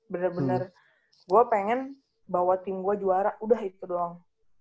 bener bener gue pengen bawa tim gue juara udah itu doang